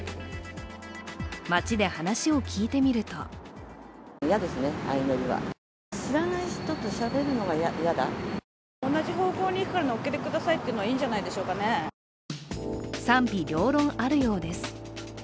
街で話を聞いてみると賛否両論あるようです。